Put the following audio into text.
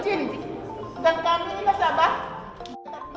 dengan kami nasabah